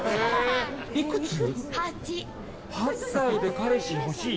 ８歳で彼氏欲しい？